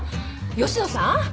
吉野さん？